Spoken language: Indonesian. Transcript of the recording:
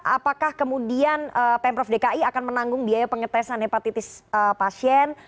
apakah kemudian pemprov dki akan menanggung biaya pengetesan hepatitis pasien